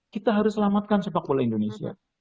kita harus selamatkan sepak bola indonesia